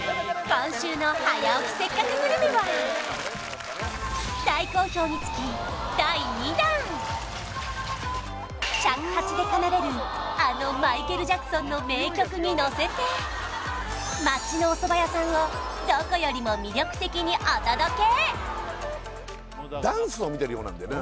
今週の「早起きせっかくグルメ！！」は尺八で奏でるあのマイケル・ジャクソンの名曲にのせて町のおそば屋さんをどこよりも魅力的にお届け！